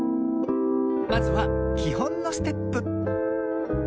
まずはきほんのステップ。